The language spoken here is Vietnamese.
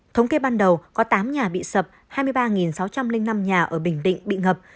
thống kê ban đầu có tám nhà bị sập hai mươi ba sáu trăm linh năm nhà ở bình định bị ngập